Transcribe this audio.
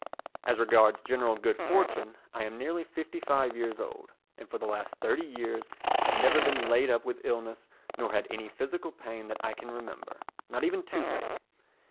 As regards general good fortune, I am nearly fifty five years old and for the last thirty years have never been laid up with illness nor had any physical pain that I can remember, not even toothache.